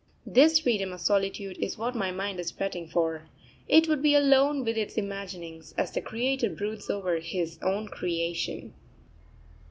This freedom of solitude is what my mind is fretting for; it would be alone with its imaginings, as the Creator broods over His own creation.